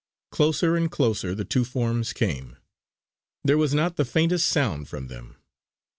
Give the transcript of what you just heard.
Closer and closer the two forms came. There was not the faintest sound from them.